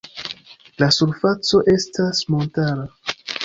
La surfaco estas montara.